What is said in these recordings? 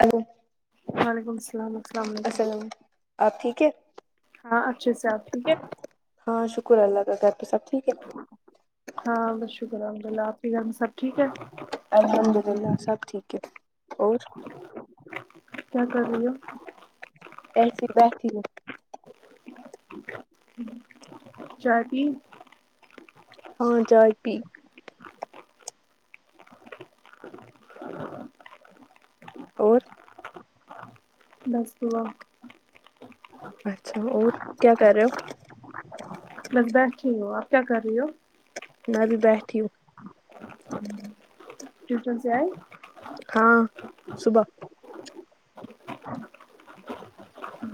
hello وعلیکم السلام السلام علیکم آپ ٹھیک ہے ہاں اچھے سے آپ ٹھیک ہے ہاں شکر اللہ کا گھر پے سب ٹھیک ہے ہاں بس شکر الحمد اللہ آپ کے گھر میں سب ٹھیک ہے الحمد للہ سب ٹھیک ہے اور کیا کر رہی ہو ایسے بیٹھی ہوں چائے پی ہاں چائی پی اور بس دعا اچھا اور کیا کر رہے ہو بس بیٹھی ہوں آپ کیا کر رہی ہو میں بھی بیٹھی ہوں ہوں ٹویشن سے آۓ ہاں صبح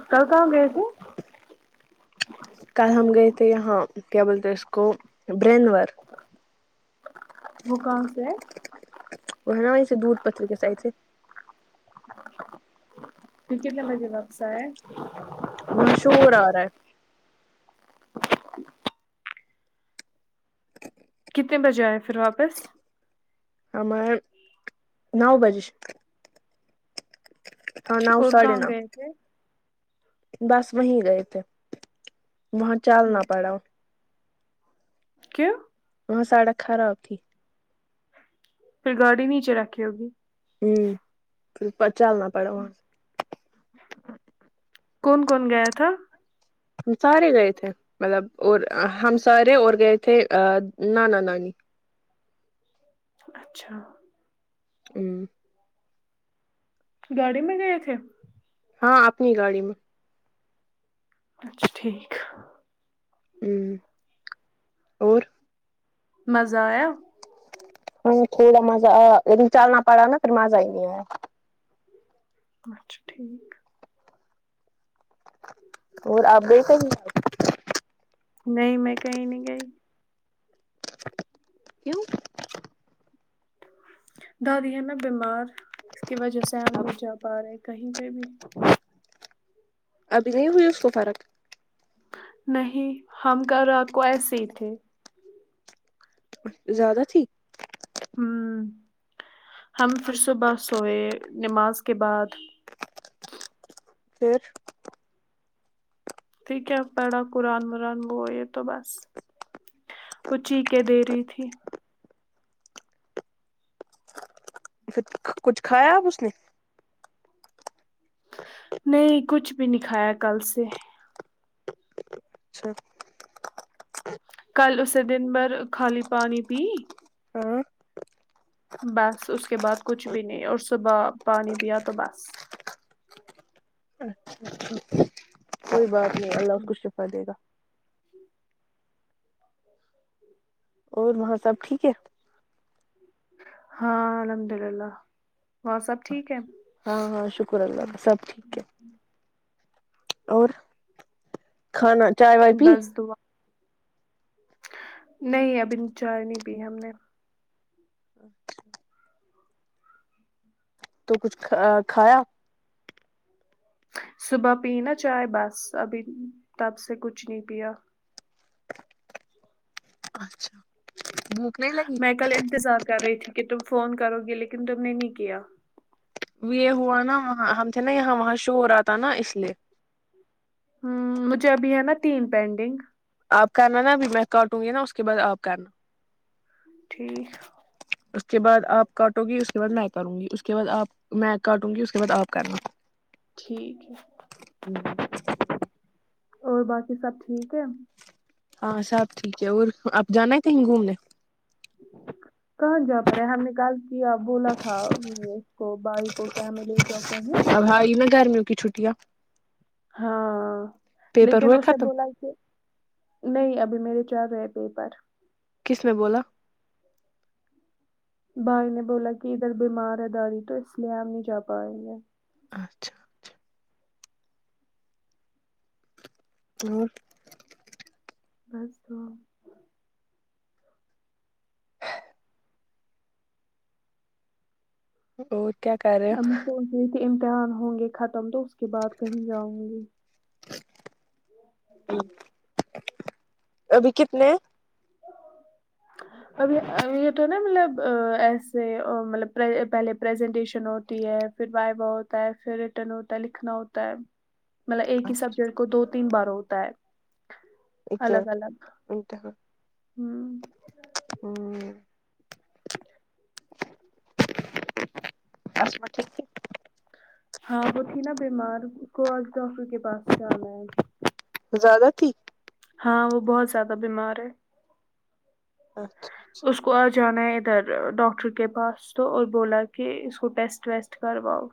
کل کہاں گئے تھے کل ہم گئے تھے یہاں کیا بولتے اس کو برینور وہ کہاں سے ہے وہ ہے نا وہیں سے دودھ پتری کے سائڈ سے کتنے بجے واپس آئے بہت شور آ رہا ہے کتنے بجے آئے پھر واپس ہم آۓ نو بجے سے ہاں ناؤ اور ساڑھے کہاں ناؤ گئے تھے بس وہیں گئے تھے وہاں چالنا پڑا کیوں وہاں سڑک خراب تھی پھر گاڑی نیچے رکھی ہوگی ہوں پھر اوپر چلنا پڑا وہاں سے کون کون گیا تھا ہم سارے گئے تھے مطلب اور ہم سارے اور گئے تھے نانا نانی اچھا امم گاڑی میں گئے تھے ہاں اپنی گاڑی میں اچھا ٹھیک ہمم مزہ آیا ہاں تھوڑا مزہ آیا لیکن چلنا پڑا نا پھر مزہ ہی نہیں آ ہے اچھا ٹھیک اور آپ گئے کہیں نہیں میں کہیں نہیں گئی کیوں دادی ہے نا بیمار اس کی وجہ سے ہم اب نہیں جا پا رہے کہیں پہ بھی ابھی نہیں ہوئی اس کو فرق نہیں ہم کر رات کو ایسے ہی تھے زیادہ تھی ہمم ہم پھر صبح سوئے نماز کے بعد پھر پھر کیا پڑا قرآن وران وہ یہ تو بس وہ چیقے دے رہی تھی پھر کچھ کھایا اب اس نے نہیں کچھ بھی نہیں کھایا کل سے اچھا کل اس نے دن بھر خالی پانی پی ہاں بس اس کے بعد کچھ بھی نہیں اور صبح پانی پیا تو بس اچھا اچھا کوئی بات نہیں اللہ اس کو شفادے گا اور وہاں سب ٹھیک ہے ہاں الحمد للہ وہاں سب ٹھیک ہے ہاں ہاں شکر اللہ کا سب ٹھیک ہے اور کھانا چائے وائے پی بس دعا نہیں ابھی چاۓ نہیں پی ہم نے اچھا تو کچھ کھایا صبح پی نا چائے بس ابھی تب سے کچھ نہیں پیا اچھا بھوک نہیں لگی میں کل انتظار کر رہی تھی کہ تم فون کرو گی لیکن تم نے نہیں کیا یہ ہوا نا وہاں ہم تھے نا یہاں وہاں شور ہورہا تھا نا اس لیے ھمم مجھے ابھی ہے نا تین پینڈنگ آپ کرنا نا اب میں کاٹوں گی نا اس کے بعد آپ کرنا ٹھیک اس کے بعد آپ کاٹو گی اس کے بعد میں کروں گی اس کے بعد آپ میں کاٹوں گی اس کے بعد آپ کرنا ٹھیک ہے ہمم اور باقی سب ٹھیک ہے ہاں سب ٹھیک ہے اور آپ جانا ہے کہیں گھومنے کہاں جا ہم نے کل جی آپ بولا تھا اس کو بائی کو کیا ہمیں لے جاؤ کہی اب آئی نا گرمیوں کی چھٹیاں ہاں پیپر لیکن ہوئے اسے ختم بولا کہ نہیں ابھی میرے چل رہے پیپار کس میں بولا بھائی نے بولا کہ ادھر بیمار ہے دادی تو اس لیے ہم نہیں جا پائیں گے اچھا ہوں بس تو اور کیا کر رہے ہو یہ کہ امتحان ہوں گے ختم تو اس کے بعد کہیں جاؤں گی ابھی کتنے ہیں اب یہ تو نا مطلب ایسے مطلب پہلے پریزنٹیشن ہوتی ہے پھر وائی وا ہوتا ہے پھر ریٹرن ہوتا ہے لکھنا ہوتا ہے مطلب ایک ہی سبجیکٹ کو دو تین بار ہوتا ہے ایکزام الگ الگ انٹرنل اں ہوں اسما ٹھیک ہے ہاں وہ تھی نا بیمار اس کو آج ڈاکٹر کے پاس جانا ہے زیادہ تھی ہاں وہ بہت زیادہ بیمار ہے اچھا اس کو آ جانا ہے ادھر ڈاکٹر کے پاس اسکو اور بولا کہ اس کو ٹیسٹ ویسٹ کرواؤ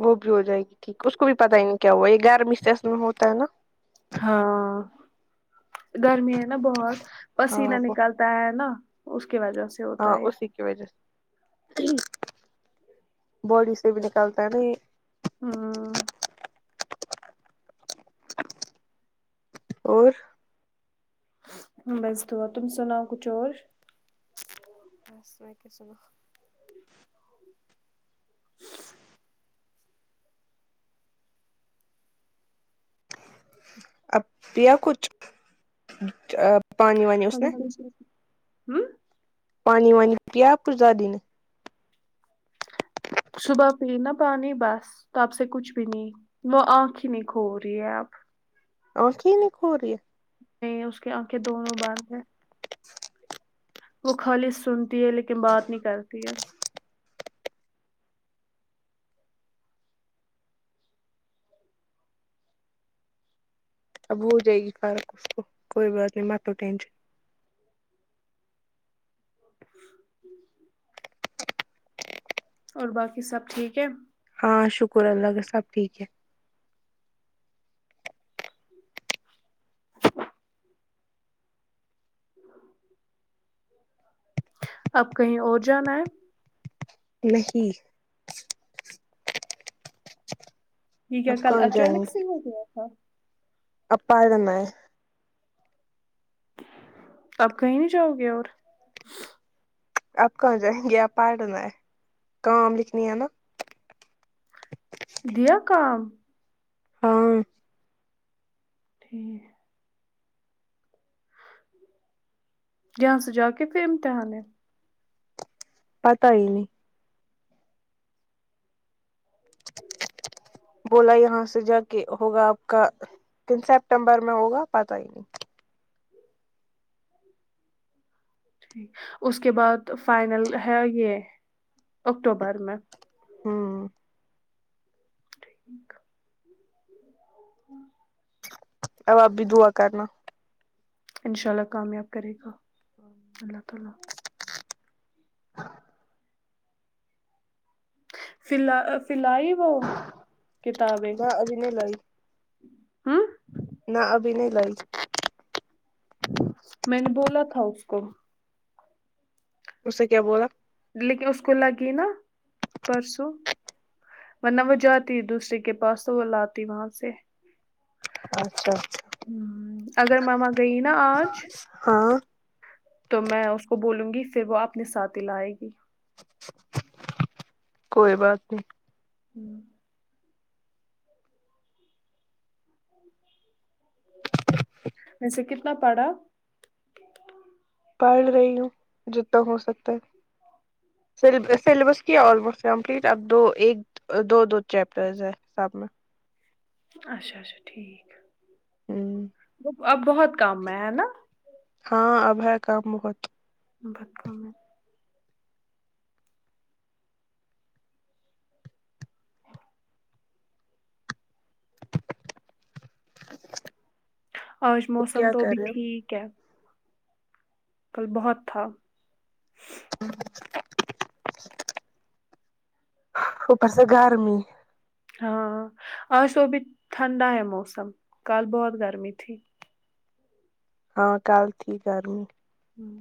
وہ بھی ہو جائے گی ٹھیک اس کو بھی پتہ ہی نہیں کیا ہوا یہ گرم سے میں ہوتا ہے نا ہاں گرمی ہے نا بہت ہاں پسیینہ نکال تا ہے نا اس کی وجہ سے ہاں ہوتا ہے اسی کی وجہ سے باڈی سے بھی نکالتا ہے نا یہ ہوں اور بس دعا تم سو ناؤ کچھ اور بس میں کیا سوناؤ اب دیا کچھ پانی وانی اس ابھی نے کچھ نہیں ہوں پانی وانی پیا آپ کی دادی نے صبح پینا پانی بس تو آپ سے کچھ بھی نہیں وہ آنکھ ہی نہیں کھو رہی ہے آپ آنکھی نہیں کھو رہی ہے نہیں اس کی آنکھیں دونوں باند ہیں وہ خالی سنتی ہے لیکن بات نہیں کرتی ہے اب ہو جائے گی فارغ اس کو کوئی بات نہیں مت دو ٹینشن اور باقی سب ٹھیک ہے ہاں شکر اللہ کا سب ٹھیک ہے اب کہی اور جانا ہے نہیں ٹھیک ہے آپ کل کہاں اچانک سے ہو گیا تھا اپا [unintelligible] تب کہی نہیں جاؤ گے اور آب کہاں جائیں گے اب پڑنے کام لکھنی ہے نا دیا کام ہاں ٹھیک یہاں سے جا کے پھر امتحان ہے پتہ ہی نہیں بولا یہاں سے جا کے ہوگا آپ کا کن سپٹمبر میں ہوگا پتہ ہی نہیں اس کے بعد فائنل ہے یے اکٹوبر میں آمم ٹھیک اب آپ بھی دعا کرنا انشاء اللہ کامیاب کرے گا اللہ تعالی ہاں پھر لا آ پھر لائی وہ کتابیں نہ ابھی نہیں لائی ہمم نہ ابھی نہیں لائی میں نے بولا تھا اس کو اس سے کیا بولا لیکن اس کو لگی نا پرسوں ورنہ وہ جاتی دوسرے کے پاس تو وہ لاتی وہاں سے اچھا اگر مما گئی نا آج ہاں تو میں اس کو بولوں گی پھر وہ اپنے ساتھ ہی لائے گی کوئی بات نہیں ہمم ویسے کتنا پڑھا پڑھ رہی ہوں جتنا ہو سکتا ہے سل سلیبس کی آلموسٹ کمپلیٹ اب دو ایک دو دو چیپٹرز ہیں سب میں اچھا اچھا ٹھیک ہوں وہ اب بہت کم ہے ہیں نا ہاں اب ہے کام بہت [unintelligible] آج موسم کیا تو کر ابھی رہے ہو ٹھیک ہے کل بہت تھا اوپر سے گرمی ہاں آج تو ابھی ٹھنڈا ہے موسم کال بہت گرمی تھی ہاں کل تھی گرمی ہمم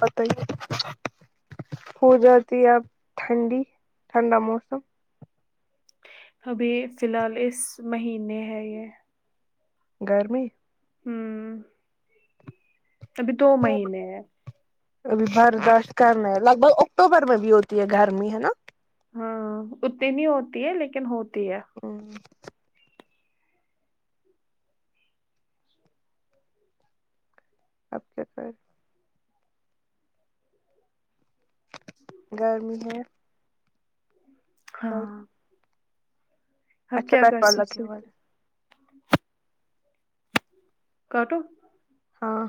پتہ ہی نہیں ہو جاتی آپ ٹھنڈی ٹھنڈا موسم ابھی فی الحال اس مہینے ہے یے گرمی ہمم ابھی دو مہینے ہیں ابھی برداشت کرنا ہے لگ بھگ اکٹوبر میں بھی ہوتی ہے گرمی ہے نا ہاں اتنی نہیں ہوتی ہے لیکن ہوتی ہے ہمم اب کیا پھر گرمی ہے سب ہاں اب اچھا کیا بیٹ کر بال لگے سکتے ہوا کاٹو ہاں